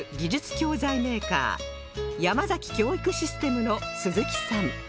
教材メーカー山崎教育システムの鈴木さん